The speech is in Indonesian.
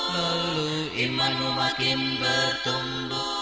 lalu imanmu makin bertumbuh